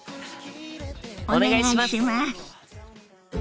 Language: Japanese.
お願いします！